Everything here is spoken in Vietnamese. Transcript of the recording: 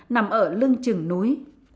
nằm ở lưng trừng núi